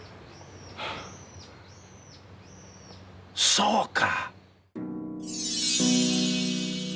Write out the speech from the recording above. そうか！